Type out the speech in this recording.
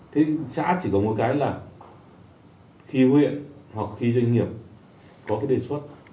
thế xã chỉ có một cái là khi huyện hoặc khi doanh nghiệp có cái đề xuất